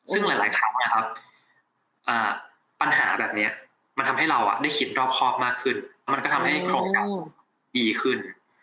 ซึ่งหลายครั้งนะครับปัญหาแบบนี้มันทำให้เราได้คิดรอบครอบมากขึ้นมันก็ทำให้โครงการดีขึ้น